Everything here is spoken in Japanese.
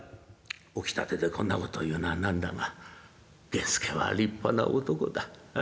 起きたてでこんなこと言うのは何だが源助は立派な男だ。